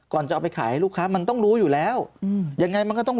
จะเอาไปขายให้ลูกค้ามันต้องรู้อยู่แล้วอืมยังไงมันก็ต้อง